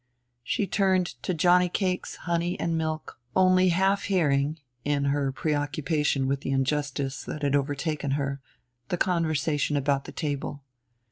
She turned to johnnycakes, honey and milk, only half hearing, in her preoccupation with the injustice that had overtaken her, the conversation about the table.